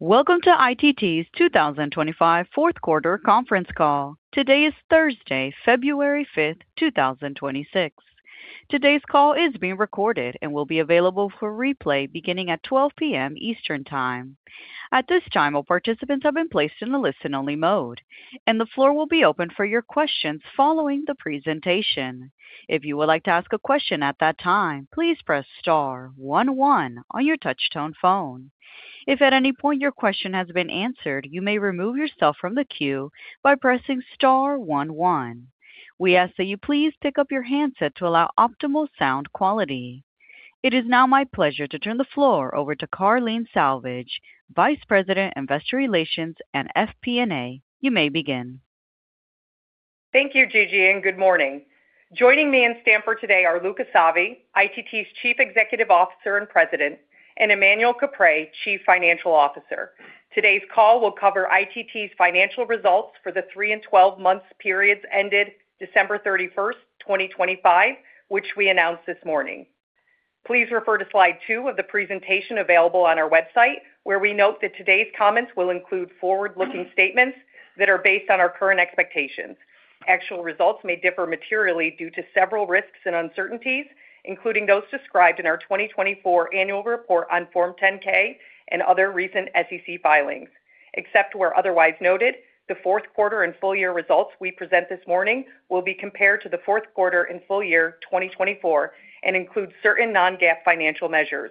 Welcome to ITT's 2025 fourth quarter conference call. Today is Thursday, February 5, 2026. Today's call is being recorded and will be available for replay beginning at 12:00 P.M. Eastern Time. At this time, all participants have been placed in the listen-only mode, and the floor will be open for your questions following the presentation. If you would like to ask a question at that time, please press star one one on your touchtone phone. If at any point your question has been answered, you may remove yourself from the queue by pressing star one one. We ask that you please pick up your handset to allow optimal sound quality. It is now my pleasure to turn the floor over to Carleen Salvage, Vice President, Investor Relations and FP&A. You may begin. Thank you, Gigi, and good morning. Joining me in Stamford today are Luca Savi, ITT's Chief Executive Officer and President, and Emmanuel Caprais, Chief Financial Officer. Today's call will cover ITT's financial results for the 3- and 12-month periods ended December 31, 2025, which we announced this morning. Please refer to slide 2 of the presentation available on our website, where we note that today's comments will include forward-looking statements that are based on our current expectations. Actual results may differ materially due to several risks and uncertainties, including those described in our 2024 annual report on Form 10-K and other recent SEC filings. Except where otherwise noted, the fourth quarter and full year results we present this morning will be compared to the fourth quarter and full year 2024 and include certain non-GAAP financial measures.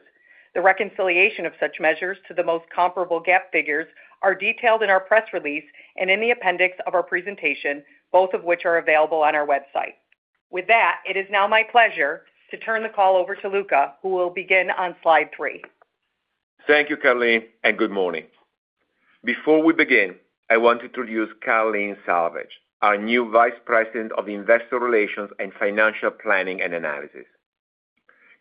The reconciliation of such measures to the most comparable GAAP figures are detailed in our press release and in the appendix of our presentation, both of which are available on our website. With that, it is now my pleasure to turn the call over to Luca, who will begin on slide three. Thank you, Carleen, and good morning. Before we begin, I want to introduce Carleen Salvage, our new Vice President of Investor Relations and Financial Planning and Analysis.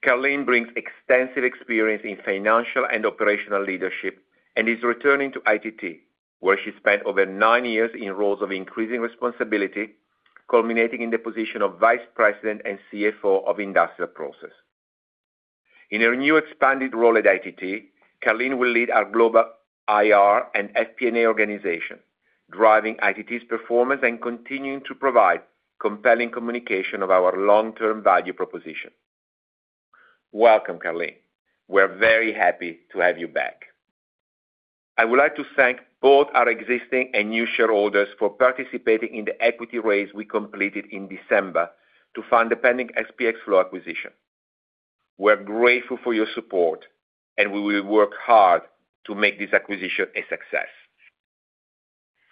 Carleen brings extensive experience in financial and operational leadership and is returning to ITT, where she spent over nine years in roles of increasing responsibility, culminating in the position of vice president and CFO of Industrial Process. In her new expanded role at ITT, Carleen will lead our global IR and FP&A organization, driving ITT's performance and continuing to provide compelling communication of our long-term value proposition. Welcome, Carleen. We're very happy to have you back. I would like to thank both our existing and new shareholders for participating in the equity raise we completed in December to fund the pending SPX FLOW acquisition. We're grateful for your support, and we will work hard to make this acquisition a success.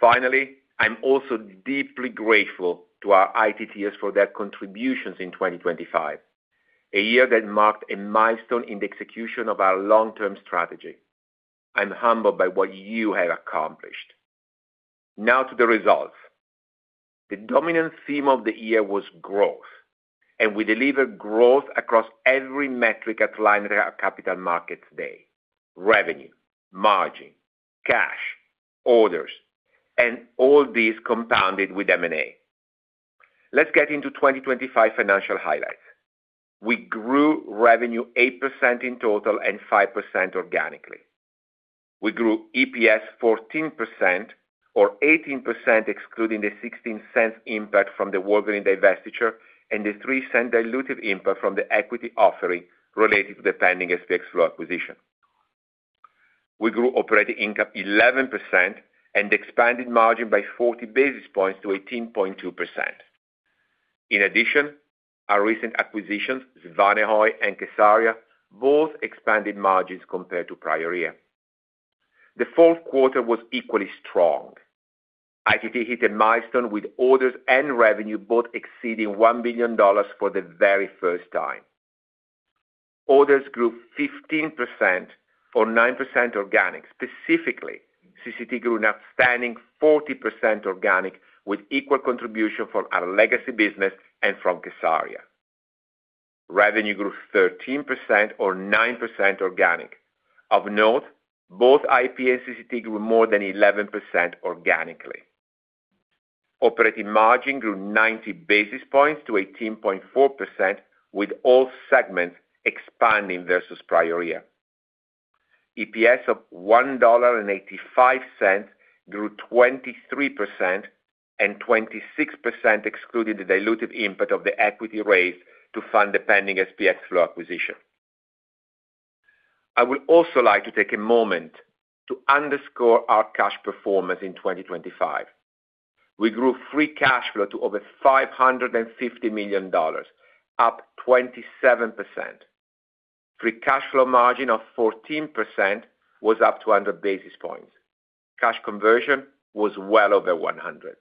Finally, I'm also deeply grateful to our ITTers for their contributions in 2025, a year that marked a milestone in the execution of our long-term strategy. I'm humbled by what you have accomplished. Now to the results. The dominant theme of the year was growth, and we delivered growth across every metric outlined at our Capital Markets Day: revenue, margin, cash, orders, and all these compounded with M&A. Let's get into 2025 financial highlights. We grew revenue 8% in total and 5% organically. We grew EPS 14% or 18%, excluding the $0.16 impact from the Wolverine divestiture and the $0.03 diluted impact from the equity offering related to the pending SPX Flow acquisition. We grew operating income 11% and expanded margin by 40 basis points to 18.2%. In addition, our recent acquisitions, Svanehøj and kSARIA, both expanded margins compared to prior year. The fourth quarter was equally strong. ITT hit a milestone, with orders and revenue both exceeding $1 billion for the very first time. Orders grew 15% or 9% organic. Specifically, CCT grew an outstanding 40% organic, with equal contribution from our legacy business and from kSARIA. Revenue grew 13% or 9% organic. Of note, both IP and CCT grew more than 11% organically. Operating margin grew 90 basis points to 18.4%, with all segments expanding versus prior year. EPS of $1.85 grew 23% and 26%, excluding the dilutive input of the equity raise to fund the pending SPX FLOW acquisition. I would also like to take a moment to underscore our cash performance in 2025. We grew free cash flow to over $550 million, up 27%. Free cash flow margin of 14% was up 200 basis points. Cash conversion was well over 100,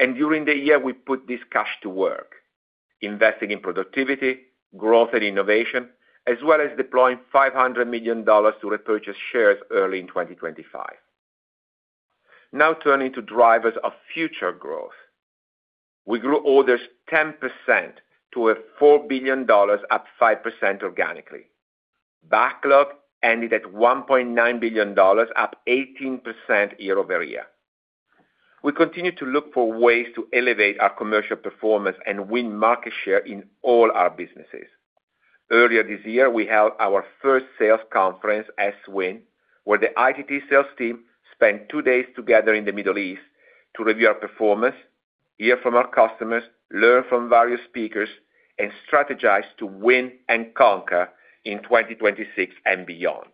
and during the year, we put this cash to work, investing in productivity, growth, and innovation, as well as deploying $500 million to repurchase shares early in 2025. Now, turning to drivers of future growth. We grew orders 10% to $4 billion, up 5% organically. Backlog ended at $1.9 billion, up 18% year-over-year. We continue to look for ways to elevate our commercial performance and win market share in all our businesses. Earlier this year, we held our first sales conference, S-Win, where the ITT sales team spent two days together in the Middle East to review our performance, hear from our customers, learn from various speakers, and strategize to win and conquer in 2026 and beyond.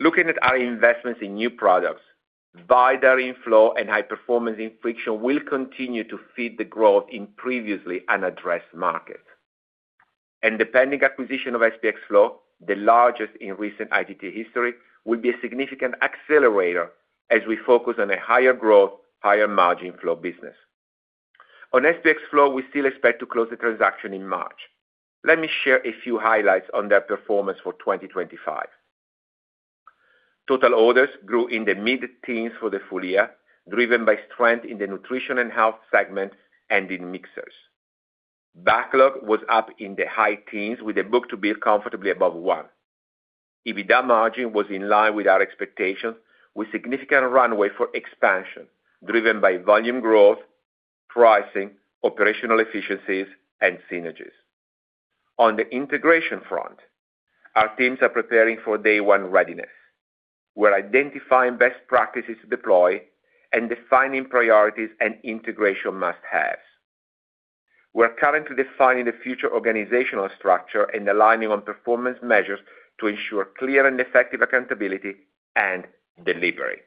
Looking at our investments in new products, Incertain in flow and high-performance in Friction will continue to feed the growth in previously unaddressed markets. The pending acquisition of SPX FLOW, the largest in recent ITT history, will be a significant accelerator as we focus on a higher growth, higher margin flow business. On SPX FLOW, we still expect to close the transaction in March. Let me share a few highlights on their performance for 2025. Total orders grew in the mid-teens for the full year, driven by strength in the nutrition and health segments and in mixers. Backlog was up in the high teens, with a book-to-bill comfortably above one. EBITDA margin was in line with our expectations, with significant runway for expansion, driven by volume growth, pricing, operational efficiencies, and synergies. On the integration front, our teams are preparing for day one readiness. We're identifying best practices to deploy and defining priorities and integration must-haves. We're currently defining the future organizational structure and aligning on performance measures to ensure clear and effective accountability and delivery.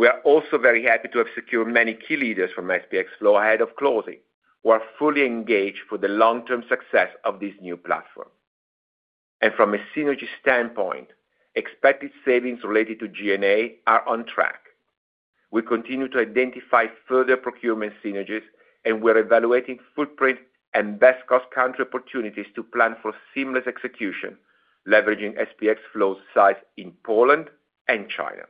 We are also very happy to have secured many key leaders from SPX FLOW ahead of closing, who are fully engaged for the long-term success of this new platform. And from a synergy standpoint, expected savings related to G&A are on track. We continue to identify further procurement synergies, and we're evaluating footprint and best-cost country opportunities to plan for seamless execution, leveraging SPX FLOW's size in Poland and China.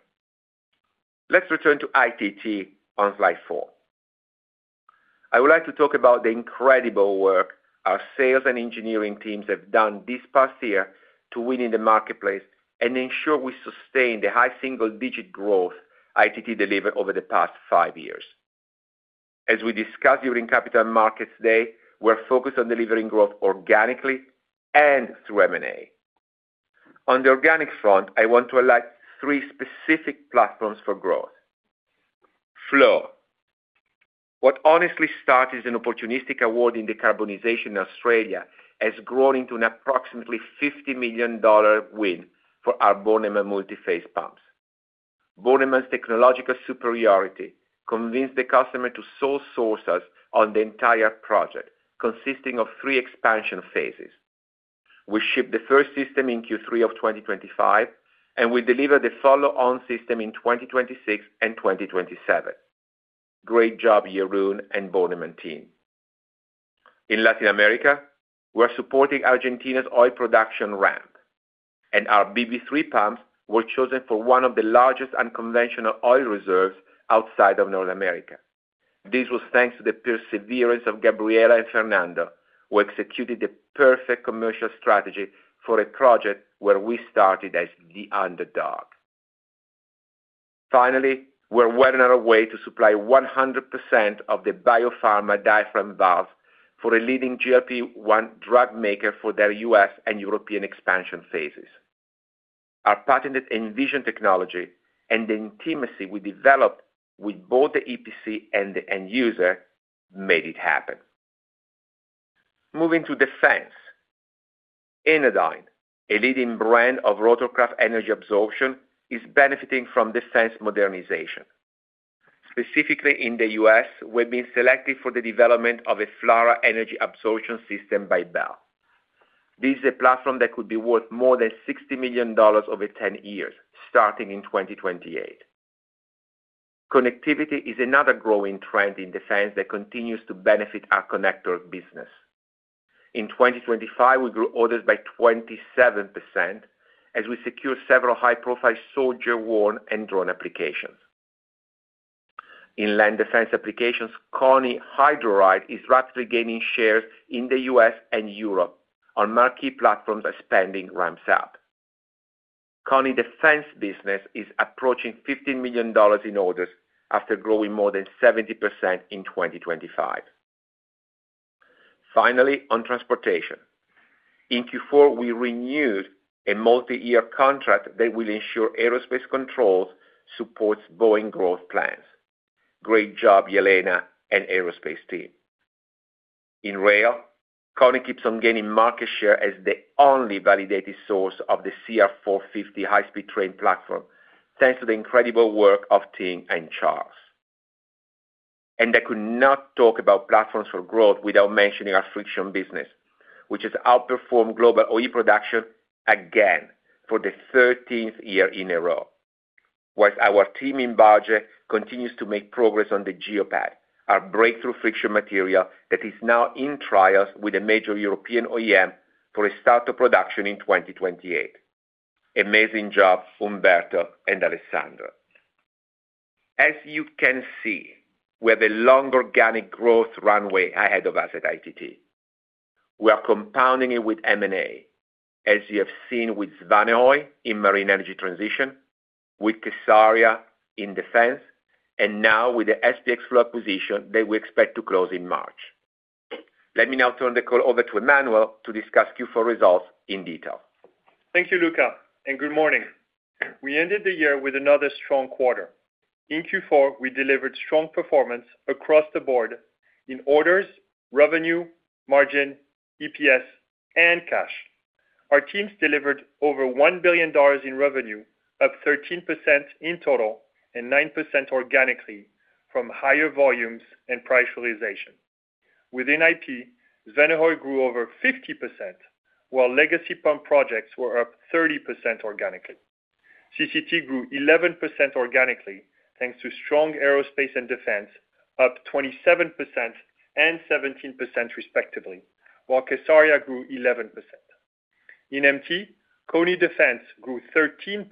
Let's return to ITT on slide 4. I would like to talk about the incredible work our sales and engineering teams have done this past year to win in the marketplace and ensure we sustain the high single-digit growth ITT delivered over the past five years. As we discussed during Capital Markets Day, we're focused on delivering growth organically and through M&A. On the organic front, I want to highlight three specific platforms for growth. Flow. What honestly started as an opportunistic award in decarbonization in Australia, has grown into an approximately $50 million win for our Bornemann multiphase pumps. Bornemann's technological superiority convinced the customer to sole source us on the entire project, consisting of three expansion phases. We shipped the first system in Q3 of 2025, and we deliver the follow-on system in 2026 and 2027. Great job, Jeroen and Bornemann team. In Latin America, we're supporting Argentina's oil production ramp, and our BB3 pumps were chosen for one of the largest unconventional oil reserves outside of North America. This was thanks to the perseverance of Gabriela and Fernando, who executed the perfect commercial strategy for a project where we started as the underdog. Finally, we're well on our way to supply 100% of the biopharma diaphragm valve for a leading GLP-1 drug maker for their U.S. and European expansion phases. Our patented EnviZion technology and the intimacy we developed with both the EPC and the end user made it happen. Moving to defense. Enidine, a leading brand of rotorcraft energy absorption, is benefiting from defense modernization. Specifically in the U.S., we've been selected for the development of a FLRAA energy absorption system by Bell. This is a platform that could be worth more than $60 million over 10 years, starting in 2028. Connectivity is another growing trend in defense that continues to benefit our connector business. In 2025, we grew orders by 27% as we secured several high-profile soldier-worn and drone applications. In land defense applications, KONI HydroRide is rapidly gaining shares in the US and Europe on marquee platforms as spending ramps up. KONI defense business is approaching $15 million in orders after growing more than 70% in 2025. Finally, on transportation. In Q4, we renewed a multi-year contract that will ensure aerospace controls supports Boeing growth plans. Great job, Yelena and aerospace team. In rail, KONI keeps on gaining market share as the only validated source of the CR450 high-speed train platform, thanks to the incredible work of Tim and Charles. I could not talk about platforms for growth without mentioning our friction business, which has outperformed global OE production again for the thirteenth year in a row, while our team in Barge continues to make progress on the Geo-Pad, our breakthrough friction material that is now in trials with a major European OEM for a start of production in 2028. Amazing job, Umberto and Alessandro. As you can see, we have a long organic growth runway ahead of us at ITT... we are compounding it with M&A, as you have seen with Svanehøj in marine energy transition, with kSARIA in defense, and now with the SPX FLOW acquisition that we expect to close in March. Let me now turn the call over to Emmanuel to discuss Q4 results in detail. Thank you, Luca, and good morning. We ended the year with another strong quarter. In Q4, we delivered strong performance across the board in orders, revenue, margin, EPS, and cash. Our teams delivered over $1 billion in revenue, up 13% in total and 9% organically from higher volumes and price realization. Within IP, Svanehøj grew over 50%, while legacy pump projects were up 30% organically. CCT grew 11% organically, thanks to strong aerospace and defense, up 27% and 17% respectively, while kSARIA grew 11%. In MT, KONI Defense grew 13%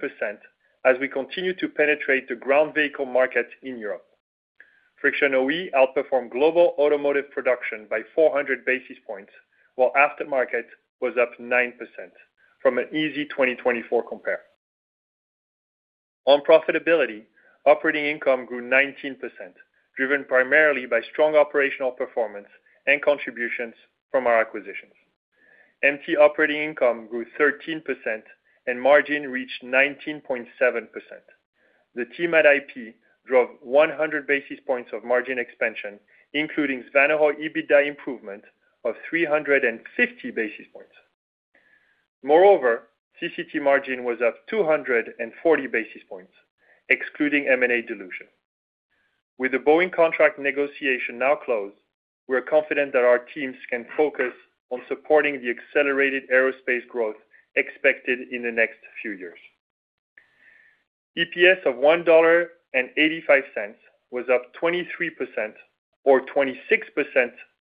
as we continue to penetrate the ground vehicle market in Europe. Friction OE outperformed global automotive production by 400 basis points, while aftermarket was up 9% from an easy 2024 compare. On profitability, operating income grew 19%, driven primarily by strong operational performance and contributions from our acquisitions. MT operating income grew 13% and margin reached 19.7%. The team at IP drove 100 basis points of margin expansion, including Svanehøj EBITDA improvement of 350 basis points. Moreover, CCT margin was up 240 basis points, excluding M&A dilution. With the Boeing contract negotiation now closed, we're confident that our teams can focus on supporting the accelerated aerospace growth expected in the next few years. EPS of $1.85 was up 23% or 26%,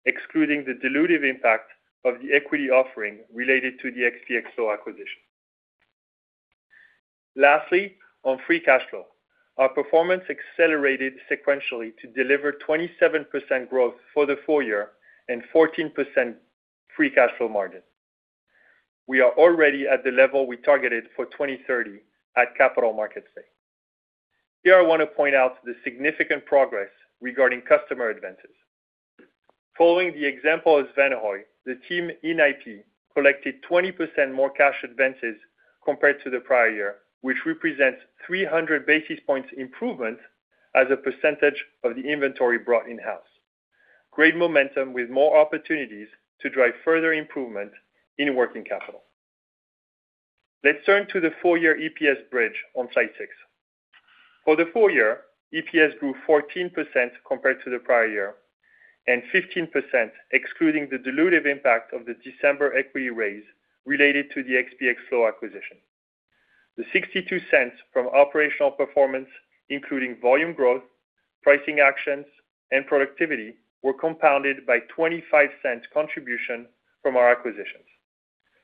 excluding the dilutive impact of the equity offering related to the SPX Flow acquisition. Lastly, on free cash flow, our performance accelerated sequentially to deliver 27% growth for the full year and 14% free cash flow margin. We are already at the level we targeted for 2030 at Capital Markets Day. Here, I wanna point out the significant progress regarding customer advances. Following the example of Svanehøj, the team in IP collected 20% more cash advances compared to the prior year, which represents 300 basis points improvement as a percentage of the inventory brought in-house. Great momentum with more opportunities to drive further improvement in working capital. Let's turn to the full-year EPS bridge on slide 6. For the full year, EPS grew 14% compared to the prior year, and 15%, excluding the dilutive impact of the December equity raise related to the SPX FLOW acquisition. The $0.62 from operational performance, including volume growth, pricing actions, and productivity, were compounded by $0.25 contribution from our acquisitions.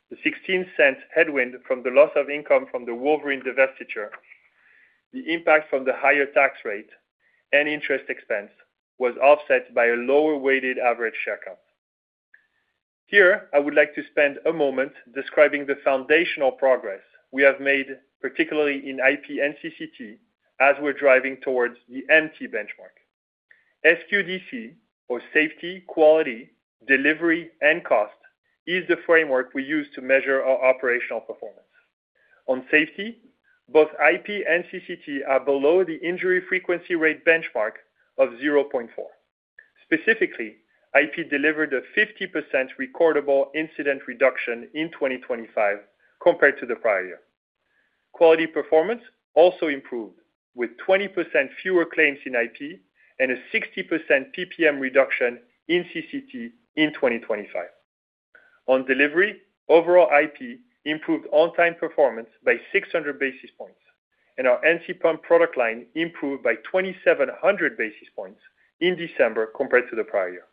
The $0.16 headwind from the loss of income from the Wolverine divestiture, the impact from the higher tax rate and interest expense, was offset by a lower weighted average share count. Here, I would like to spend a moment describing the foundational progress we have made, particularly in IP and CCT, as we're driving towards the MT benchmark. SQDC, or safety, quality, delivery, and cost, is the framework we use to measure our operational performance. On safety, both IP and CCT are below the injury frequency rate benchmark of 0.4. Specifically, IP delivered a 50% recordable incident reduction in 2025 compared to the prior year. Quality performance also improved, with 20% fewer claims in IP and a 60% PPM reduction in CCT in 2025. On delivery, overall IP improved on-time performance by 600 basis points, and our ANSI pump product line improved by 2,700 basis points in December compared to the prior year.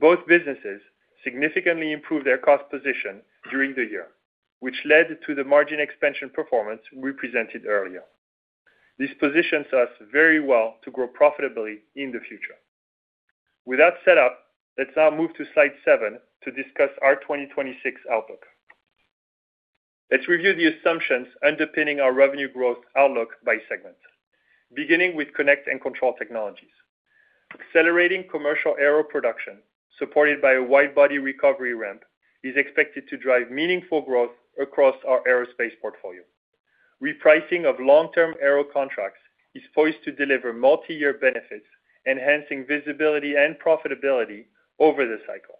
Both businesses significantly improved their cost position during the year, which led to the margin expansion performance we presented earlier. This positions us very well to grow profitably in the future. With that set up, let's now move to slide 7 to discuss our 2026 outlook. Let's review the assumptions underpinning our revenue growth outlook by segment, beginning with Connect & Control Technologies. Accelerating commercial Aero production, supported by a wide-body recovery ramp, is expected to drive meaningful growth across our Aerospace portfolio. Repricing of long-term Aero contracts is poised to deliver multiyear benefits, enhancing visibility and profitability over the cycle.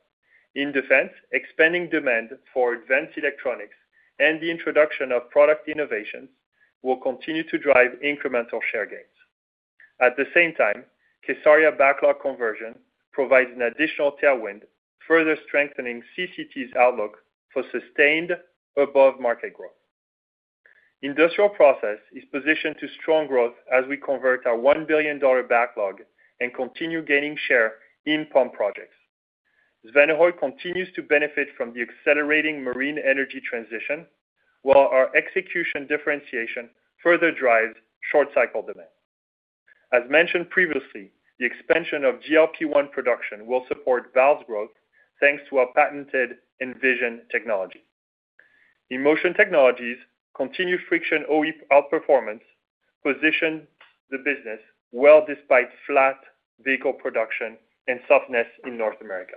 In defense, expanding demand for advanced electronics and the introduction of product innovations will continue to drive incremental share gains. At the same time, kSARIA backlog conversion provides an additional tailwind, further strengthening CCT's outlook for sustained above-market growth. Industrial process is positioned to strong growth as we convert our $1 billion backlog and continue gaining share in pump projects. Svanehøj continues to benefit from the accelerating marine energy transition, while our execution differentiation further drives short cycle demand. As mentioned previously, the expansion of GLP-1 production will support valves growth, thanks to our patented EnviZion technology. In Motion Technologies, continued friction OE outperformance positioned the business well despite flat vehicle production and softness in North America.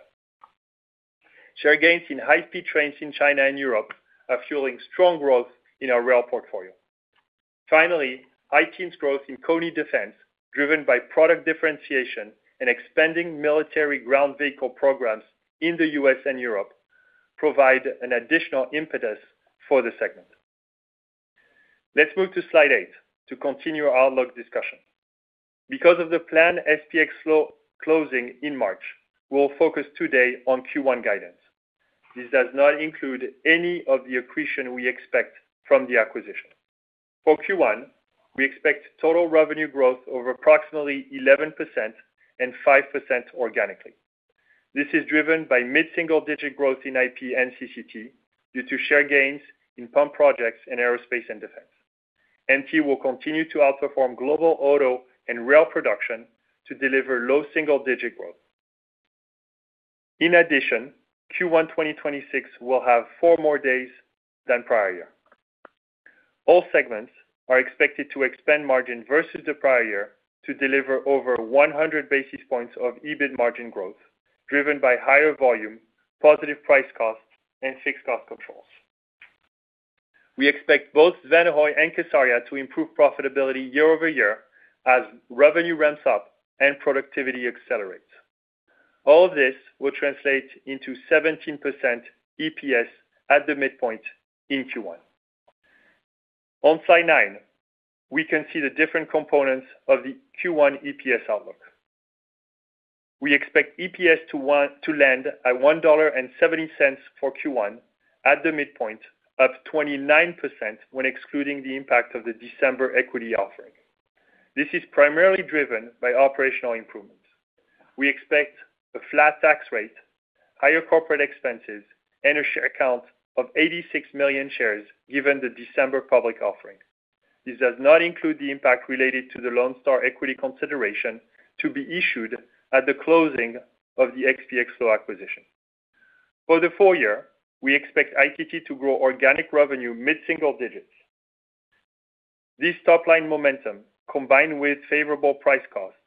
Share gains in high-speed trains in China and Europe are fueling strong growth in our rail portfolio. Finally, ITT growth in KONI Defense, driven by product differentiation and expanding military ground vehicle programs in the U.S. and Europe, provide an additional impetus for the segment. Let's move to slide 8 to continue our outlook discussion. Because of the planned SPX FLOW closing in March, we'll focus today on Q1 guidance. This does not include any of the accretion we expect from the acquisition. For Q1, we expect total revenue growth of approximately 11% and 5% organically. This is driven by mid-single-digit growth in IP and CCT, due to share gains in pump projects in aerospace and defense. MT will continue to outperform global auto and rail production to deliver low single-digit growth. In addition, Q1 2026 will have 4 more days than prior year. All segments are expected to expand margin versus the prior year to deliver over 100 basis points of EBIT margin growth, driven by higher volume, positive price costs, and fixed cost controls. We expect both Svanehøj and kSARIA to improve profitability year-over-year as revenue ramps up and productivity accelerates. All this will translate into 17% EPS at the midpoint in Q1. On slide 9, we can see the different components of the Q1 EPS outlook. We expect EPS to land at $1.70 for Q1 at the midpoint, up 29% when excluding the impact of the December equity offering. This is primarily driven by operational improvements. We expect a flat tax rate, higher corporate expenses, and a share count of 86 million shares, given the December public offering. This does not include the impact related to the Lone Star equity consideration to be issued at the closing of the SPX FLOW acquisition. For the full year, we expect ITT to grow organic revenue mid-single digits. This top-line momentum, combined with favorable price costs,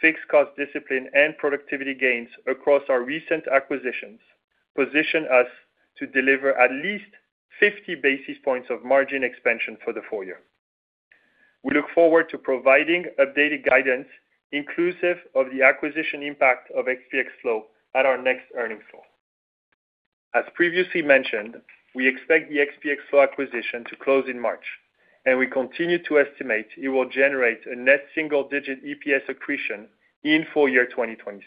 fixed cost discipline, and productivity gains across our recent acquisitions, position us to deliver at least 50 basis points of margin expansion for the full year. We look forward to providing updated guidance, inclusive of the acquisition impact of SPX FLOW at our next earnings call. As previously mentioned, we expect the SPX FLOW acquisition to close in March, and we continue to estimate it will generate a net single-digit EPS accretion in full year 2026.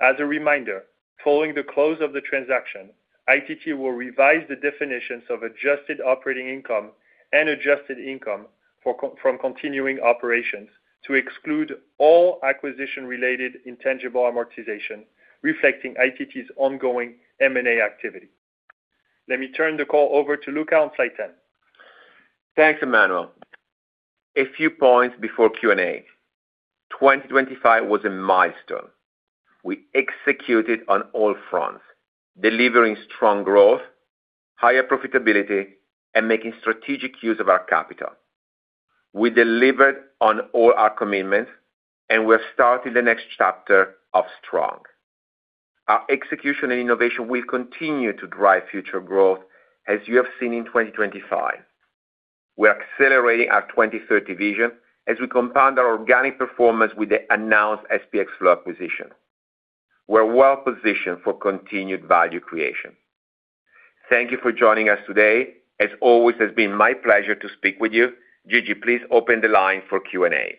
As a reminder, following the close of the transaction, ITT will revise the definitions of adjusted operating income and adjusted income from continuing operations to exclude all acquisition-related intangible amortization, reflecting ITT's ongoing M&A activity. Let me turn the call over to Luca on slide 10. Thanks, Emmanuel. A few points before Q&A. 2025 was a milestone. We executed on all fronts, delivering strong growth, higher profitability, and making strategic use of our capital. We delivered on all our commitments, and we have started the next chapter of strong. Our execution and innovation will continue to drive future growth, as you have seen in 2025. We are accelerating our 2030 vision as we compound our organic performance with the announced SPX FLOW acquisition. We're well positioned for continued value creation. Thank you for joining us today. As always, it has been my pleasure to speak with you. Gigi, please open the line for Q&A.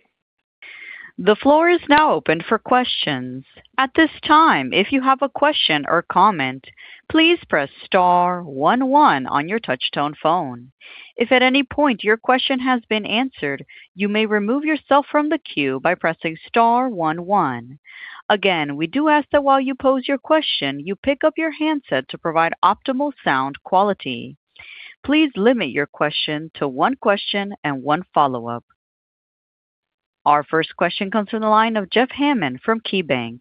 The floor is now open for questions. At this time, if you have a question or comment, please press star one one on your touchtone phone. If at any point your question has been answered, you may remove yourself from the queue by pressing star one one. Again, we do ask that while you pose your question, you pick up your handset to provide optimal sound quality. Please limit your question to one question and one follow-up. Our first question comes from the line of Jeff Hammond from KeyBanc.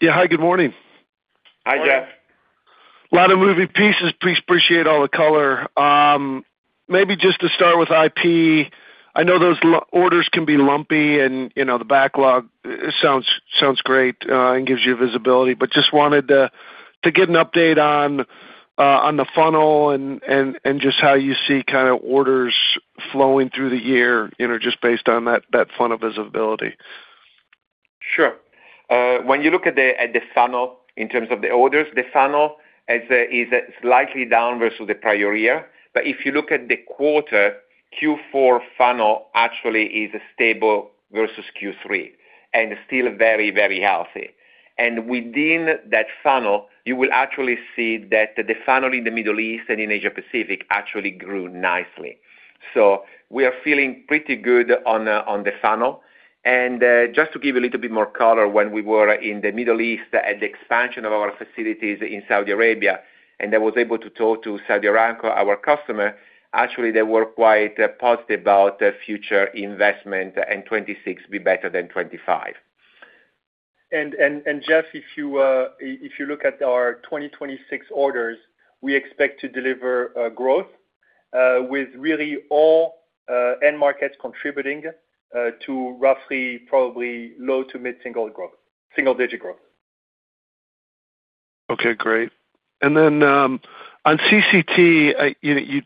Yeah, hi, good morning. Hi, Jeff. A lot of moving pieces. Please appreciate all the color. Maybe just to start with IP. I know those lumpy orders can be lumpy and, you know, the backlog sounds great, and gives you visibility. But just wanted to get an update on the funnel and just how you see kinda orders flowing through the year, you know, just based on that funnel visibility. Sure. When you look at the funnel in terms of the orders, the funnel is slightly down versus the prior year. But if you look at the quarter, Q4 funnel actually is stable versus Q3 and still very, very healthy. And within that funnel, you will actually see that the funnel in the Middle East and in Asia Pacific actually grew nicely. So we are feeling pretty good on the funnel. And just to give a little bit more color, when we were in the Middle East at the expansion of our facilities in Saudi Arabia, and I was able to talk to Saudi Aramco, our customer, actually, they were quite positive about the future investment, and 2026 be better than 2025.... And Jeff, if you look at our 2026 orders, we expect to deliver growth with really all end markets contributing to roughly probably low to mid-single growth, single digit growth. Okay, great. And then on CCT, I you know,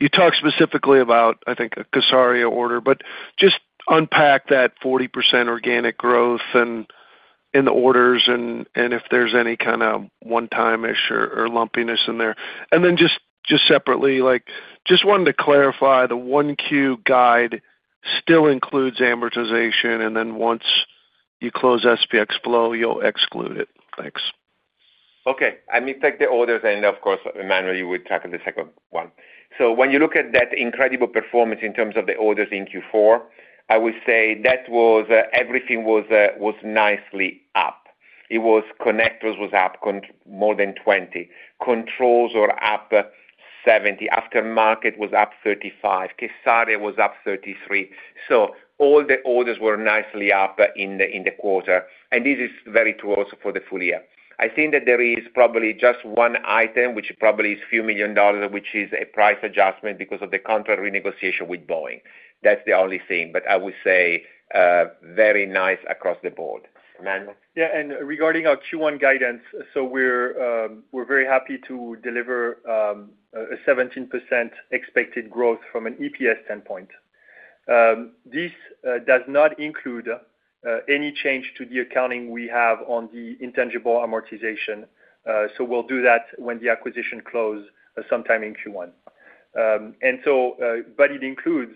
you talked specifically about, I think, a kSARIA order, but just unpack that 40% organic growth in the orders and if there's any kind of one-time issue or lumpiness in there. And then just separately, like, just wanted to clarify, the 1Q guide still includes amortization, and then once you close SPX Flow, you'll exclude it. Thanks. Okay. Let me take the orders, and of course, Emmanuel, you will tackle the second one. So when you look at that incredible performance in terms of the orders in Q4, I would say that was, everything was, was nicely up. It was, connectors was up more than 20, controls were up 70, aftermarket was up 35, kSARIA was up 33. So all the orders were nicely up in the quarter, and this is very true also for the full year. I think that there is probably just one item, which probably is a few $ million, which is a price adjustment because of the contract renegotiation with Boeing. That's the only thing. But I would say, very nice across the board. Emmanuel? Yeah, and regarding our Q1 guidance, so we're very happy to deliver a 17% expected growth from an EPS standpoint. This does not include any change to the accounting we have on the intangible amortization. So we'll do that when the acquisition closes sometime in Q1. And so, but it includes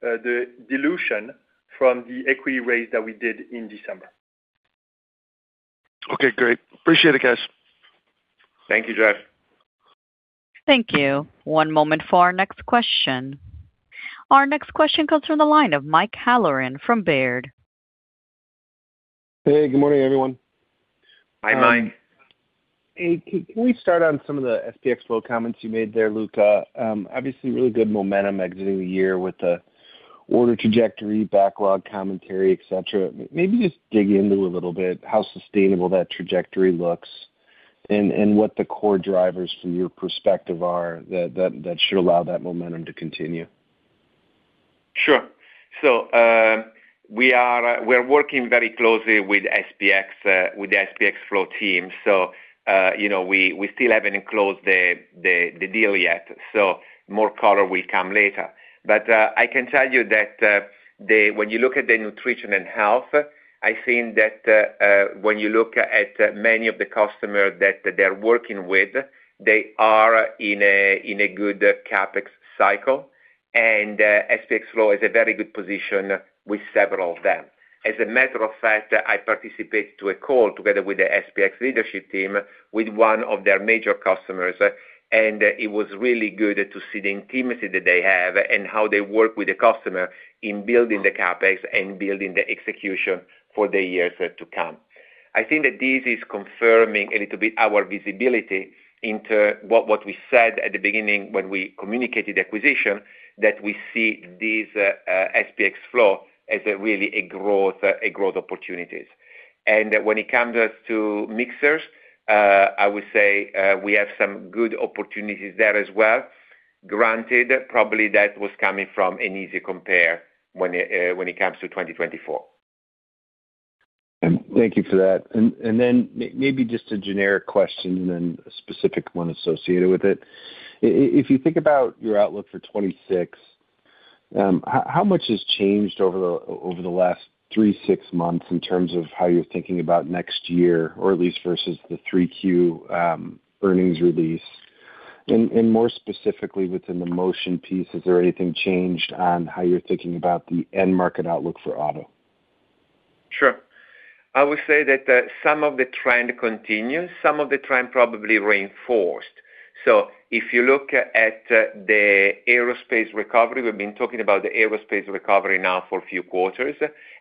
the dilution from the equity raise that we did in December. Okay, great. Appreciate it, guys. Thank you, Jeff. Thank you. One moment for our next question. Our next question comes from the line of Mike Halloran from Baird. Hey, good morning, everyone. Hi, Mike. Hey, can we start on some of the SPX FLOW comments you made there, Luca? Obviously, really good momentum exiting the year with the order trajectory, backlog, commentary, et cetera. Maybe just dig into a little bit how sustainable that trajectory looks and what the core drivers from your perspective are, that should allow that momentum to continue. Sure. So, we're working very closely with SPX, with the SPX Flow team. So, you know, we still haven't closed the deal yet, so more color will come later. But, I can tell you that, when you look at the nutrition and health, I think that, when you look at many of the customers that they're working with, they are in a good CapEx cycle, and SPX Flow is in a very good position with several of them. As a matter of fact, I participated to a call together with the SPX leadership team, with one of their major customers, and it was really good to see the intimacy that they have and how they work with the customer in building the CapEx and building the execution for the years to come. I think that this is confirming a little bit our visibility into what we said at the beginning when we communicated acquisition, that we see this SPX FLOW as really growth opportunities. And when it comes to mixers, I would say, we have some good opportunities there as well. Granted, probably that was coming from an easy compare when it comes to 2024. Thank you for that. And then maybe just a generic question and then a specific one associated with it. If you think about your outlook for 2026, how much has changed over the last 3-6 months in terms of how you're thinking about next year, or at least versus the 3Q earnings release? And more specifically, within the motion piece, has there anything changed on how you're thinking about the end market outlook for auto? Sure. I would say that some of the trend continues, some of the trend probably reinforced. So if you look at the aerospace recovery, we've been talking about the aerospace recovery now for a few quarters,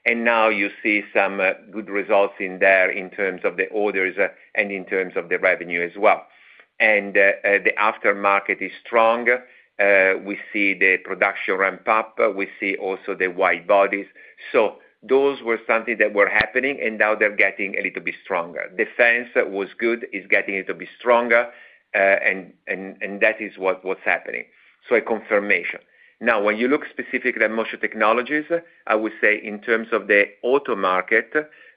and now you see some good results in there in terms of the orders and in terms of the revenue as well. And the aftermarket is strong. We see the production ramp up, we see also the wide bodies. So those were something that were happening, and now they're getting a little bit stronger. Defense was good, is getting a little bit stronger, and that is what's happening. So a confirmation. Now, when you look specifically at Motion Technologies, I would say in terms of the auto market,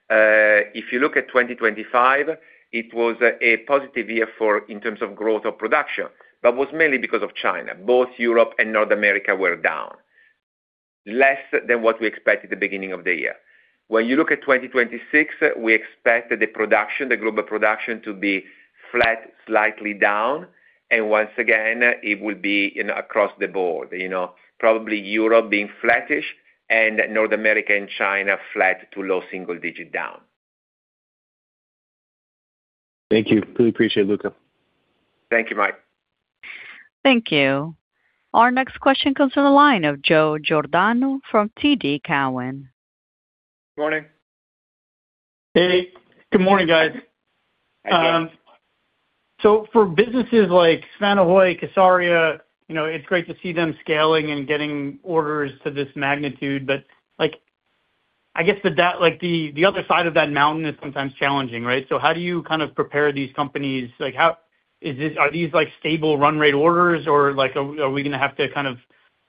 if you look at 2025, it was a positive year for in terms of growth of production, but was mainly because of China. Both Europe and North America were down, less than what we expected at the beginning of the year. When you look at 2026, we expect the production, the global production to be flat, slightly down, and once again, it will be in across the board, you know, probably Europe being flattish and North America and China, flat to low single digit down. Thank you. Really appreciate it, Luca. Thank you, Mike. Thank you. Our next question comes from the line of Joe Giordano from TD Cowen. Morning. Hey, good morning, guys. Hey, Joe.... So for businesses like Svanehøj, kSARIA, you know, it's great to see them scaling and getting orders to this magnitude. But, like, I guess the other side of that mountain is sometimes challenging, right? So how do you kind of prepare these companies? Like, how is this—are these like stable run rate orders, or like, are we gonna have to kind of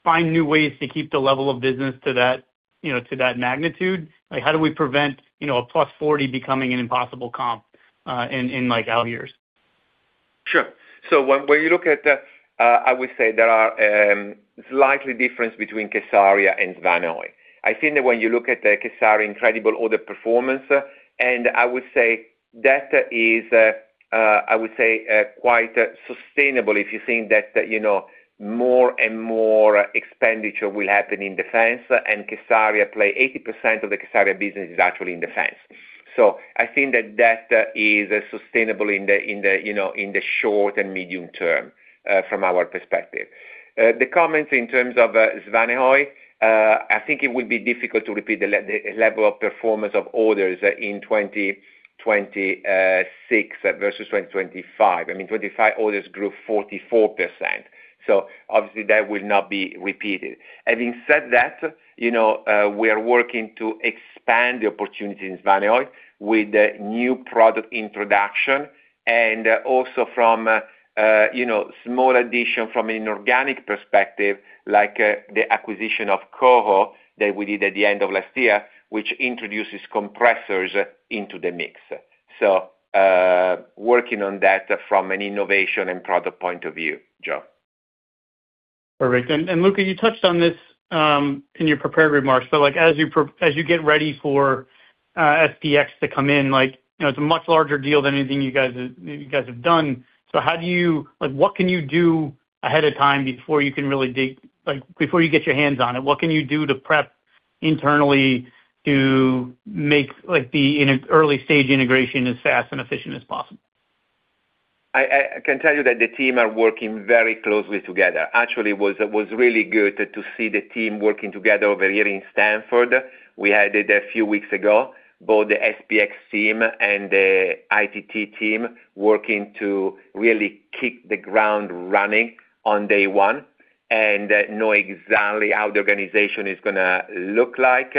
find new ways to keep the level of business to that, you know, to that magnitude? Like, how do we prevent, you know, a +40 becoming an impossible comp in out years? Sure. So when you look at the, I would say there are slightly difference between kSARIA and Svanehøj. I think that when you look at the kSARIA incredible order performance, and I would say that is quite sustainable if you think that, you know, more and more expenditure will happen in defense, and kSARIA play 80% of the kSARIA business is actually in defense. So I think that that is sustainable in the, in the, you know, in the short and medium term, from our perspective. The comments in terms of Svanehøj, I think it would be difficult to repeat the level of performance of orders in 2026 versus 2025. I mean, 2025 orders grew 44%, so obviously that will not be repeated. Having said that, you know, we are working to expand the opportunity in Svanehøj with the new product introduction and also from, you know, small addition from an organic perspective, like, the acquisition of Uncertain that we did at the end of last year, which introduces compressors into the mix. So, working on that from an innovation and product point of view, Joe. Perfect. And Luca, you touched on this in your prepared remarks. So like as you get ready for SPX to come in, like, you know, it's a much larger deal than anything you guys have, you guys have done. So how do you... Like, what can you do ahead of time before you can really dig, like, before you get your hands on it, what can you do to prep internally to make, like, the early stage integration as fast and efficient as possible? I can tell you that the team are working very closely together. Actually, it was really good to see the team working together over here in Stamford. We had it a few weeks ago, both the SPX team and the ITT team, working to really kick the ground running on day one, and know exactly how the organization is gonna look like,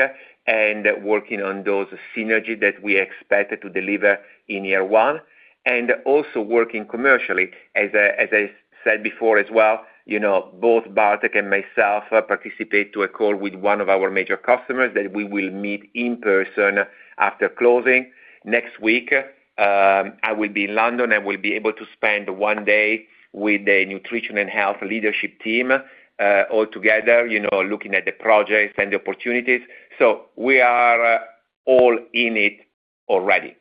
and working on those synergy that we expected to deliver in year one, and also working commercially. As I said before as well, you know, both Bartek and myself participate to a call with one of our major customers that we will meet in person after closing. Next week, I will be in London. I will be able to spend one day with the Nutrition and Health leadership team, all together, you know, looking at the projects and the opportunities. So we are all in it already.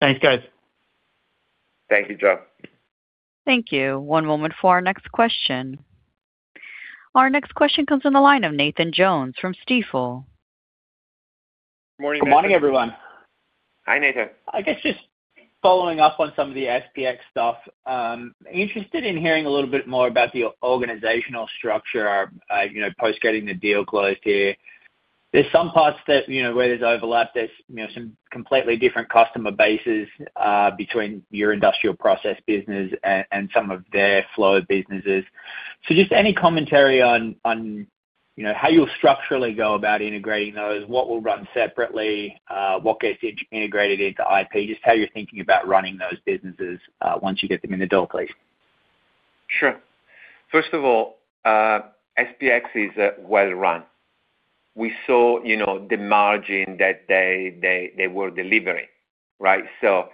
Thanks, guys. Thank you, Joe. Thank you. One moment for our next question. Our next question comes on the line of Nathan Jones from Stifel. Morning, everyone. Good morning, everyone. Hi, Nathan. I guess just following up on some of the SPX stuff. Interested in hearing a little bit more about the organizational structure, you know, post getting the deal closed here. There's some parts that, you know, where there's overlap, there's, you know, some completely different customer bases, between your industrial process business and, and some of their flow of businesses. So just any commentary on, on, you know, how you'll structurally go about integrating those? What will run separately, what gets integrated into IP? Just how you're thinking about running those businesses, once you get them in the door, please. Sure. First of all, SPX is well-run. We saw, you know, the margin that they, they, they were delivering, right? So,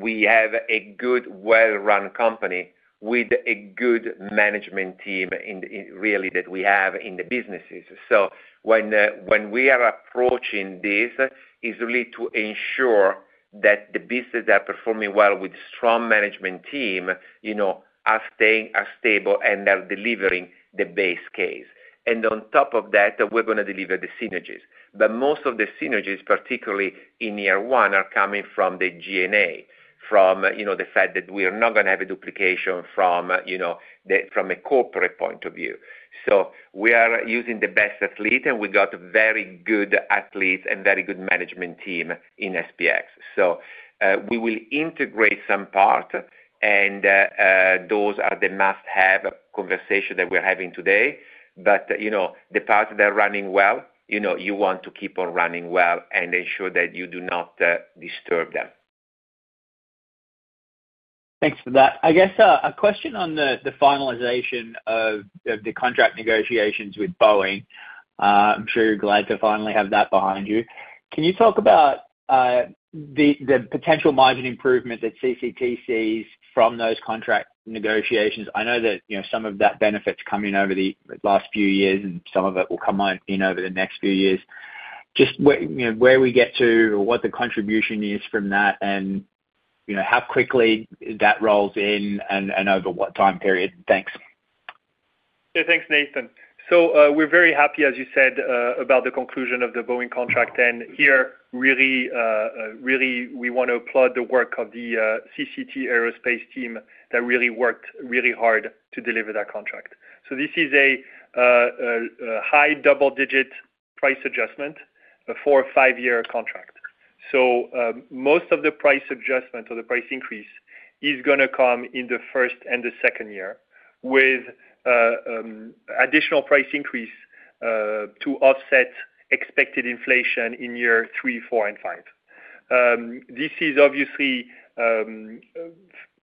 we have a good, well-run company with a good management team in, in really that we have in the businesses. So when, when we are approaching this, is really to ensure that the business are performing well with strong management team, you know, are staying stable and are delivering the base case. And on top of that, we're gonna deliver the synergies. But most of the synergies, particularly in year one, are coming from the G&A, from, you know, the fact that we are not gonna have a duplication from, you know, the, from a corporate point of view. So we are using the best athlete, and we got very good athletes and very good management team in SPX. So, we will integrate some part, and those are the must-have conversation that we're having today. But, you know, the parts that are running well, you know, you want to keep on running well and ensure that you do not disturb them. Thanks for that. I guess, a question on the, the finalization of, of the contract negotiations with Boeing. I'm sure you're glad to finally have that behind you. Can you talk about, the, the potential margin improvement that CCTC from those contract negotiations? I know that, you know, some of that benefits come in over the last few years, and some of it will come on in over the next few years. Just where, you know, where we get to, what the contribution is from that and, you know, how quickly that rolls in and, and over what time period? Thanks. Yeah, thanks, Nathan. So, we're very happy, as you said, about the conclusion of the Boeing contract, and here, really, we want to applaud the work of the CCT Aerospace team that really worked really hard to deliver that contract. So this is a high double digit price adjustment, a 4- or 5-year contract. So, most of the price adjustment or the price increase is gonna come in the first and the second year, with additional price increase to offset expected inflation in year 3, 4, and 5. This is obviously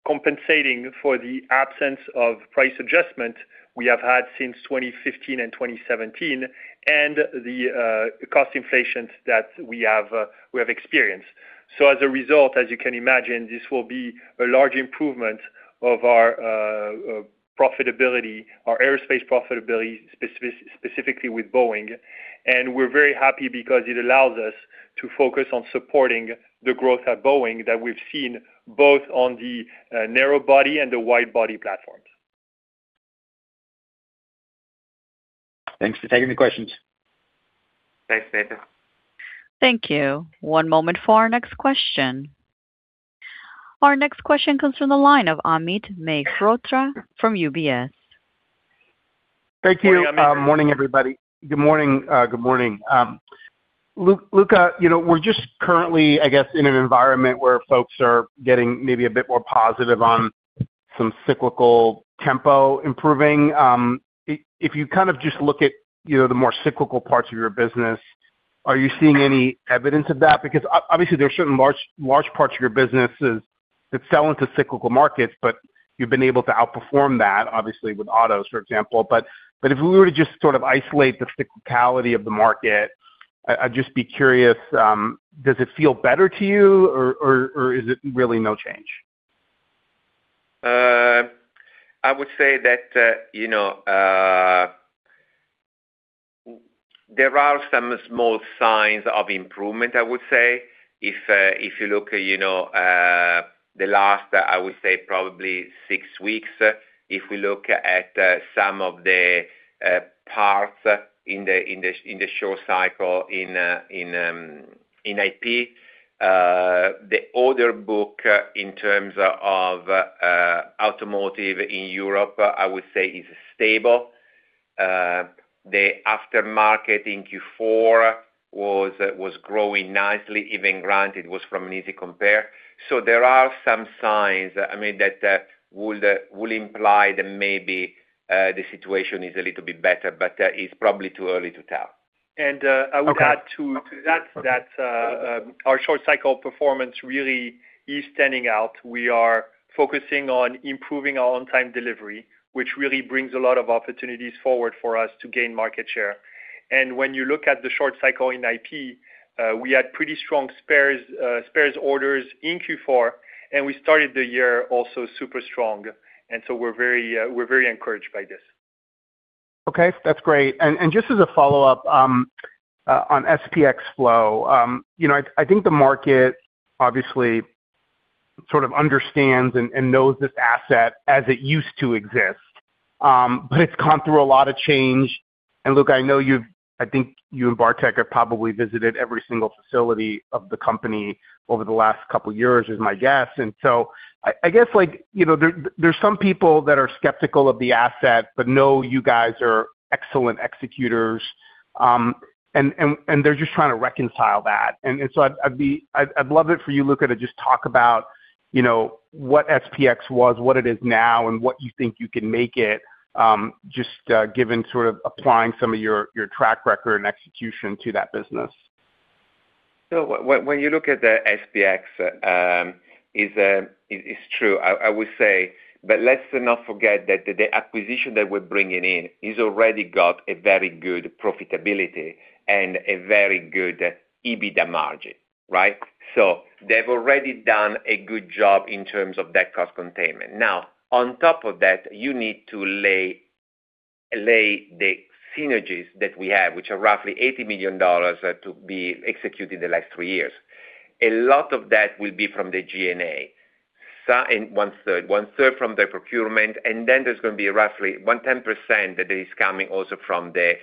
compensating for the absence of price adjustment we have had since 2015 and 2017, and the cost inflations that we have experienced. So as a result, as you can imagine, this will be a large improvement of our profitability, our aerospace profitability, specifically with Boeing, and we're very happy because it allows us to focus on supporting the growth at Boeing that we've seen, both on the narrow body and the wide body platforms. Thanks for taking the questions. Thanks, Peter. Thank you. One moment for our next question. Our next question comes from the line of Amit Mehrotra from UBS. Thank you. Morning, Amit. Morning, everybody. Good morning, good morning. Luca, you know, we're just currently, I guess, in an environment where folks are getting maybe a bit more positive on some cyclical tempo improving. If you kind of just look at, you know, the more cyclical parts of your business, are you seeing any evidence of that? Because obviously, there are certain large, large parts of your businesses that sell into cyclical markets, but you've been able to outperform that, obviously, with autos, for example. But if we were to just sort of isolate the cyclicality of the market, I'd just be curious, does it feel better to you, or is it really no change? I would say that, you know, there are some small signs of improvement, I would say. If you look, you know, the last, I would say, probably six weeks, if we look at some of the parts in the short cycle in IP, the order book in terms of automotive in Europe, I would say is stable. The aftermarket in Q4 was growing nicely, even granted, was from an easy compare. So there are some signs, I mean, that would imply that maybe the situation is a little bit better, but it's probably too early to tell. I would add to that, our short cycle performance really is standing out. We are focusing on improving our on-time delivery, which really brings a lot of opportunities forward for us to gain market share. And when you look at the short cycle in IP, we had pretty strong spares orders in Q4, and we started the year also super strong, and so we're very encouraged by this. Okay, that's great. Just as a follow-up on SPX FLOW, you know, I think the market obviously sort of understands and knows this asset as it used to exist, but it's gone through a lot of change. Look, I know you've—I think you and Bartek have probably visited every single facility of the company over the last couple of years, is my guess. So I guess, like, you know, there, there's some people that are skeptical of the asset, but know you guys are excellent executors, and they're just trying to reconcile that. So I'd love it for you, Luca, to just talk about, you know, what SPX was, what it is now, and what you think you can make it, just given sort of applying some of your track record and execution to that business. So when you look at the SPX, is true, I would say, but let's not forget that the acquisition that we're bringing in is already got a very good profitability and a very good EBITDA margin, right? So they've already done a good job in terms of that cost containment. Now, on top of that, you need to lay the synergies that we have, which are roughly $80 million to be executed in the next three years. A lot of that will be from the GNA, so and one third, one third from the procurement, and then there's gonna be roughly 10% that is coming also from the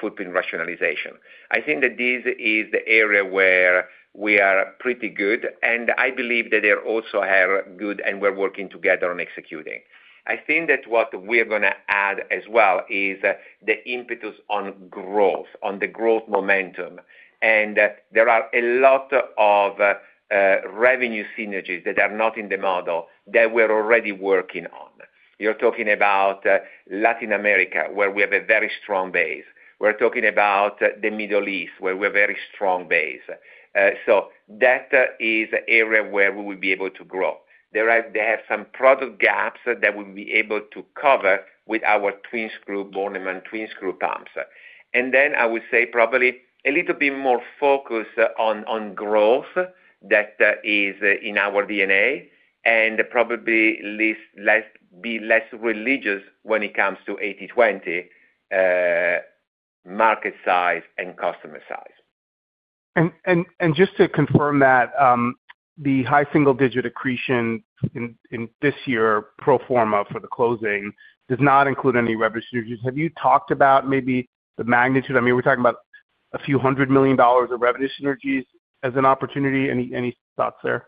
footprint rationalization. I think that this is the area where we are pretty good, and I believe that they also are good, and we're working together on executing. I think that what we're gonna add as well is the impetus on growth, on the growth momentum, and there are a lot of revenue synergies that are not in the model that we're already working on. You're talking about Latin America, where we have a very strong base. We're talking about the Middle East, where we're a very strong base. So that is an area where we will be able to grow. There are some product gaps that we'll be able to cover with our twin screw, Bornemann twin-screw pumps. And then I would say probably a little bit more focus on growth that is in our DNA, and probably less be less religious when it comes to 80/20 market size and customer size. Just to confirm that the high single-digit accretion in this year, pro forma for the closing, does not include any revenue synergies. Have you talked about maybe the magnitude? I mean, we're talking about a few hundred million dollars of revenue synergies as an opportunity. Any thoughts there?...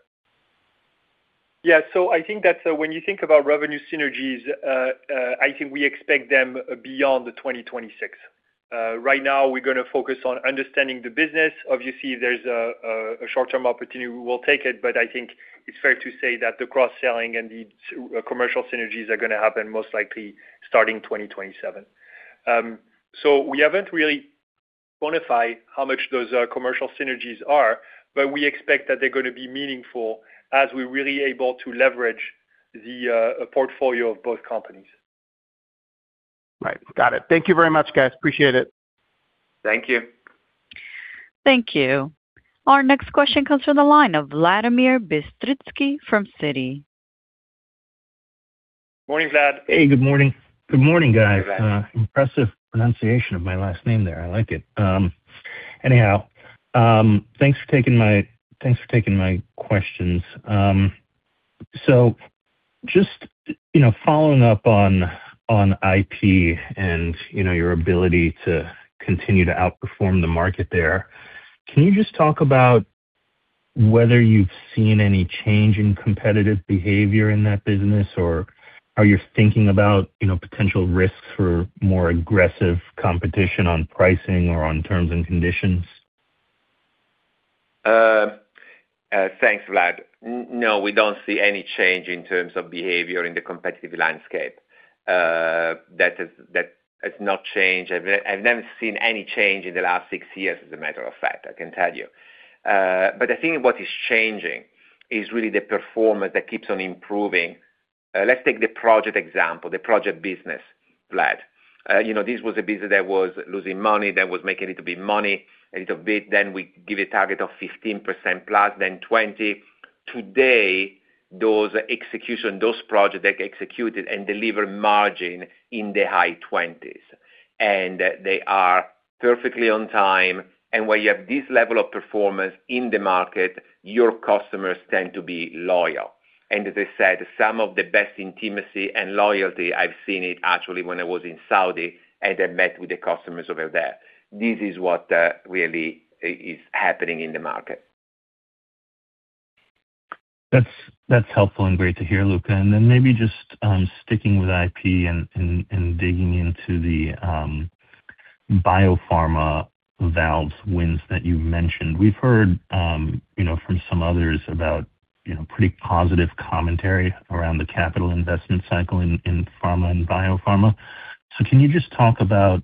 Yeah, so I think that when you think about revenue synergies, I think we expect them beyond the 2026. Right now, we're gonna focus on understanding the business. Obviously, there's a short-term opportunity, we will take it, but I think it's fair to say that the cross-selling and the commercial synergies are gonna happen most likely starting 2027. So we haven't really quantified how much those commercial synergies are, but we expect that they're gonna be meaningful as we're really able to leverage the portfolio of both companies. Right. Got it. Thank you very much, guys. Appreciate it. Thank you. Thank you. Our next question comes from the line of Vladimir Bystricky from Citi. Morning, Vlad. Hey, good morning. Good morning, guys. Impressive pronunciation of my last name there. I like it. Anyhow, thanks for taking my, thanks for taking my questions. So just, you know, following up on IP and, you know, your ability to continue to outperform the market there, can you just talk about whether you've seen any change in competitive behavior in that business, or are you thinking about, you know, potential risks for more aggressive competition on pricing or on terms and conditions? Thanks, Vlad. No, we don't see any change in terms of behavior in the competitive landscape. That is, that has not changed. I've never seen any change in the last 6 years, as a matter of fact, I can tell you. But I think what is changing is really the performance that keeps on improving. Let's take the project example, the project business, Vlad. You know, this was a business that was losing money, that was making a little bit money, a little bit. Then we give a target of 15% plus, then 20. Today, those execution, those projects, they executed and delivered margin in the high 20s, and they are perfectly on time. And when you have this level of performance in the market, your customers tend to be loyal. As I said, some of the best intimacy and loyalty I've seen it actually when I was in Saudi, and I met with the customers over there. This is what really is happening in the market. That's helpful and great to hear, Luca. And then maybe just sticking with IP and digging into the biopharma valves wins that you mentioned. We've heard you know from some others about you know pretty positive commentary around the capital investment cycle in pharma and biopharma. So can you just talk about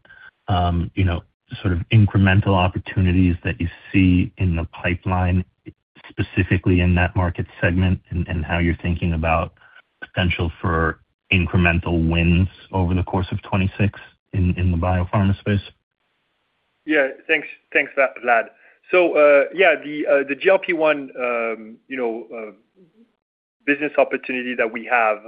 you know sort of incremental opportunities that you see in the pipeline, specifically in that market segment, and how you're thinking about potential for incremental wins over the course of 2026 in the biopharma space? Yeah. Thanks, thanks, Vlad. So, yeah, the GLP-1, you know, business opportunity that we have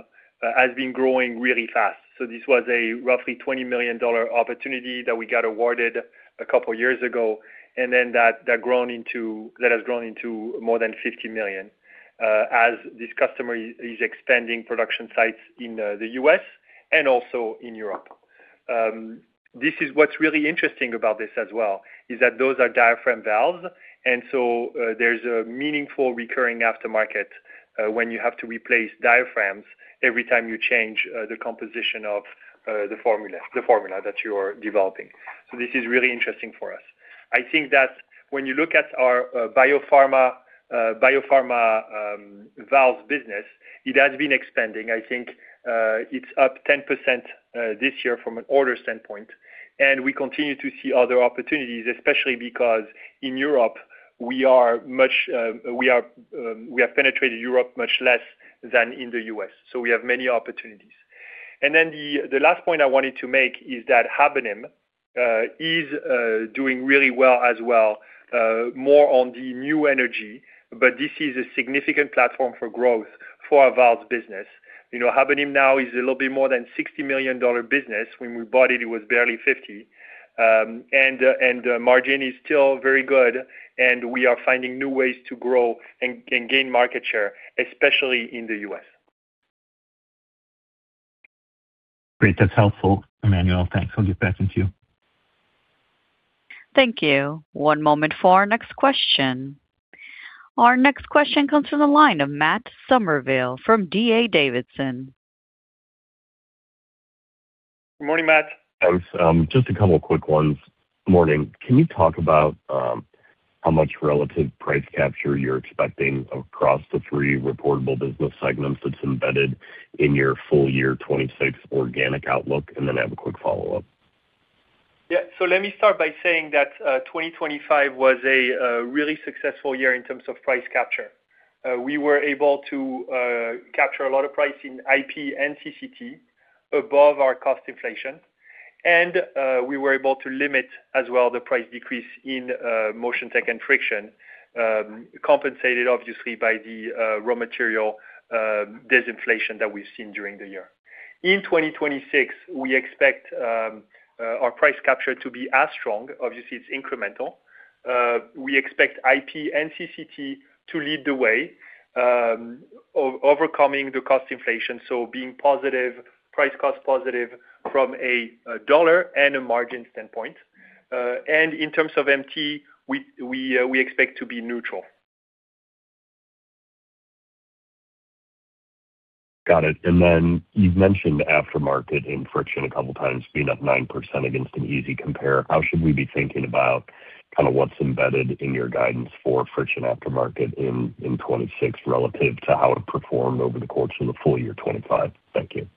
has been growing really fast. So this was a roughly $20 million opportunity that we got awarded a couple years ago, and then that has grown into more than $50 million, as this customer is expanding production sites in the US and also in Europe. This is what's really interesting about this as well, is that those are diaphragm valves, and so there's a meaningful recurring aftermarket when you have to replace diaphragms every time you change the composition of the formula, the formula that you are developing. So this is really interesting for us. I think that when you look at our biopharma valves business, it has been expanding. I think, it's up 10%, this year from an order standpoint, and we continue to see other opportunities, especially because in Europe, we are much, we are, we have penetrated Europe much less than in the U.S., so we have many opportunities. And then the, the last point I wanted to make is that Habonim, is, doing really well as well, more on the new energy, but this is a significant platform for growth for our valves business. You know, Habonim now is a little bit more than $60 million business. When we bought it, it was barely $50 million. And the, and, margin is still very good, and we are finding new ways to grow and, and gain market share, especially in the U.S. Great. That's helpful, Emmanuel. Thanks. I'll get back to you. Thank you. One moment for our next question. Our next question comes from the line of Matt Somerville from D.A. Davidson. Good morning, Matt. Thanks. Just a couple quick ones. Morning. Can you talk about how much relative price capture you're expecting across the three reportable business segments that's embedded in your full-year 2026 organic outlook? And then I have a quick follow-up. Yeah. So let me start by saying that 2025 was a really successful year in terms of price capture. We were able to capture a lot of price in IP and CCT above our cost inflation, and we were able to limit as well the price decrease in motion tech and friction, compensated obviously by the raw material disinflation that we've seen during the year. In 2026, we expect our price capture to be as strong. Obviously, it's incremental. We expect IP and CCT to lead the way, overcoming the cost inflation, so being positive, price cost positive from a dollar and a margin standpoint. And in terms of MT, we expect to be neutral. Got it. And then you've mentioned aftermarket and friction a couple of times, being up 9% against an easy compare. How should we be thinking about kind of what's embedded in your guidance for friction aftermarket in 2026 relative to how it performed over the course of the full year 2025? Thank you.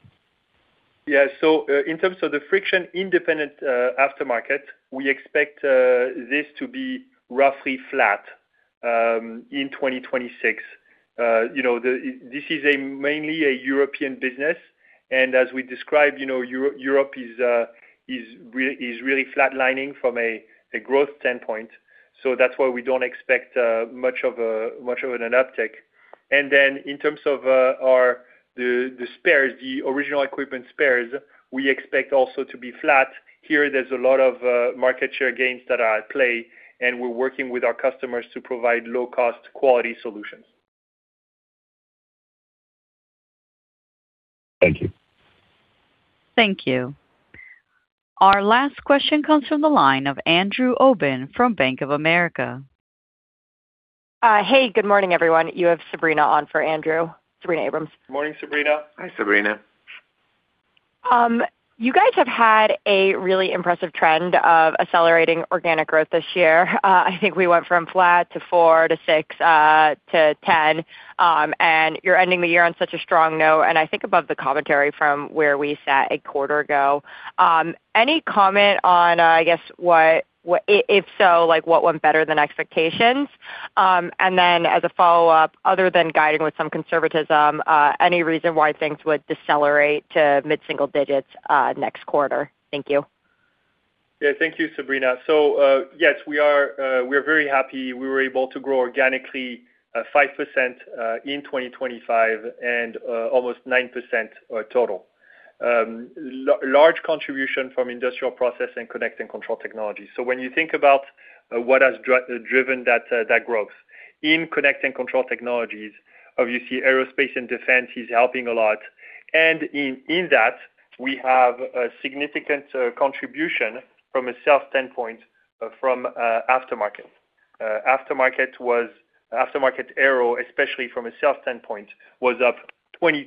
Yeah. So, in terms of the friction independent aftermarket, we expect this to be roughly flat in 2026. You know, this is mainly a European business, and as we described, you know, Europe is really flatlining from a growth standpoint. So that's why we don't expect much of an uptick. And then in terms of the spares, the original equipment spares, we expect also to be flat. Here, there's a lot of market share gains that are at play, and we're working with our customers to provide low-cost, quality solutions. Thank you. Thank you. Our last question comes from the line of Andrew Obin from Bank of America. Hey, good morning, everyone. You have Sabrina on for Andrew. Sabrina Abrams. Morning, Sabrina. Hi, Sabrina. You guys have had a really impressive trend of accelerating organic growth this year. I think we went from flat to 4 to 6 to 10, and you're ending the year on such a strong note, and I think above the commentary from where we sat a quarter ago. Any comment on, I guess, what, what—if, if so, like, what went better than expectations? And then as a follow-up, other than guiding with some conservatism, any reason why things would decelerate to mid-single digits next quarter? Thank you. Yeah. Thank you, Sabrina. So, yes, we are very happy. We were able to grow organically 5% in 2025 and almost 9% total. Large contribution from industrial process and Connect and Control Technologies. So when you think about what has driven that growth, in Connect and Control Technologies, obviously, aerospace and defense is helping a lot. And in that, we have a significant contribution from a sales standpoint from aftermarket. Aftermarket aero, especially from a sales standpoint, was up 20%,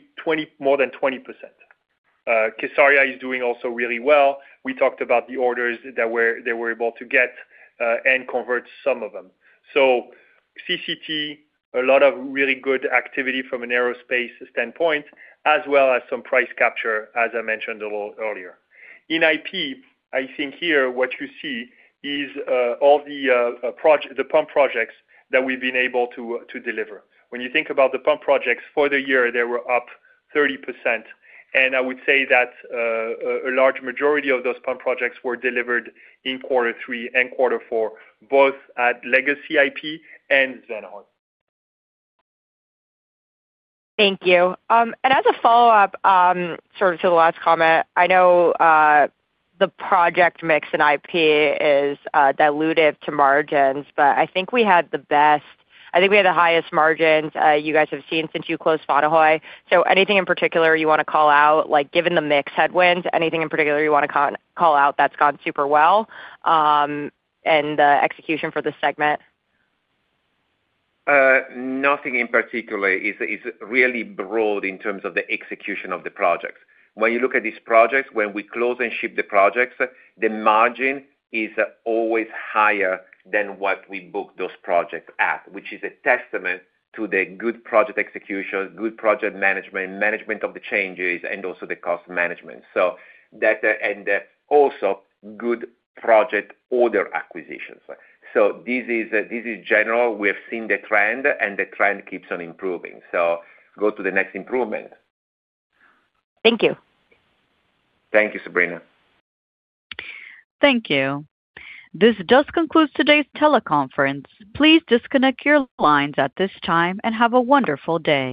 more than 20%. kSARIA is doing also really well. We talked about the orders that they were able to get and convert some of them. So CCT, a lot of really good activity from an aerospace standpoint, as well as some price capture, as I mentioned a little earlier. In IP, I think here what you see is all the pump projects that we've been able to to deliver. When you think about the pump projects for the year, they were up 30%, and I would say that a large majority of those pump projects were delivered in quarter three and quarter four, both at legacy IP and Svanehøj. Thank you. And as a follow-up, sort of to the last comment, I know, the project mix in IP is, dilutive to margins, but I think we had the highest margins, you guys have seen since you closed Svanehøj. So anything in particular you want to call out, like, given the mix headwinds, anything in particular you want to call out that's gone super well, and the execution for this segment? Nothing in particular. It's really broad in terms of the execution of the projects. When you look at these projects, when we close and ship the projects, the margin is always higher than what we book those projects at, which is a testament to the good project execution, good project management, management of the changes, and also the cost management. So that, and also good project order acquisitions. So this is general. We have seen the trend, and the trend keeps on improving. So go to the next improvement. Thank you. Thank you, Sabrina. Thank you. This does conclude today's teleconference. Please disconnect your lines at this time and have a wonderful day.